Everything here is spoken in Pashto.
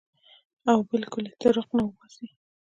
او بالکل ئې د ړق نه اوباسي -